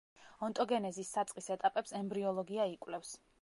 ონტოგენეზის საწყის ეტაპებს ემბრიოლოგია იკვლევს.